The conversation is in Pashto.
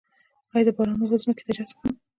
آیا د باران اوبه ځمکې ته جذب کړم؟